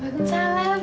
waalaikumsalam pak jimmy